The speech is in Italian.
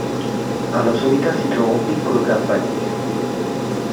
Alla sommità si trova un piccolo campanile.